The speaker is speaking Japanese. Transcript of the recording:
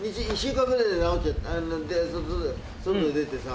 外出てさ。